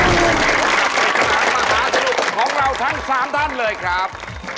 สนุกสนานมหาสนุกของเราทั้ง๓ท่านเลยครับ